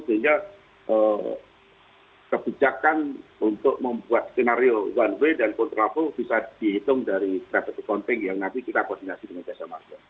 sehingga kebijakan untuk membuat skenario one way dan kontraflow bisa dihitung dari traffic accounting yang nanti kita koordinasi dengan jasa marga